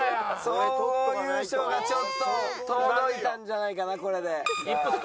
総合優勝がちょっと遠のいたんじゃないかなこれで。